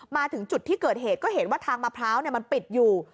มาถึงจุดที่เกิดเหตุก็เห็นว่าทางมะพร้าวมันปิดอยู่